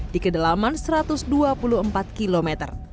di kedalaman satu ratus dua puluh empat km